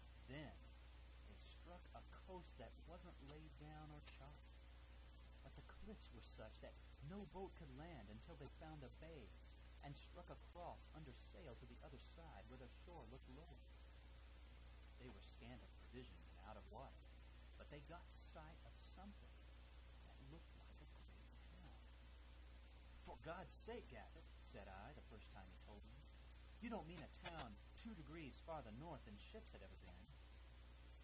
Then they struck a coast that wasn't laid down or charted, but the cliffs were such that no boat could land until they found a bay and struck across under sail to the other side where the shore looked lower; they were scant of provisions and out of water, but they got sight of something that looked like a great town. 'For God's sake, Gaffett!' said I, the first time he told me. 'You don't mean a town two degrees farther north than ships had ever been?'